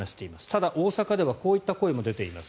ただ、大阪ではこういった声も出ています。